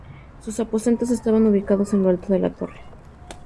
Sus aposentos estaban ubicados en lo alto de la Torre.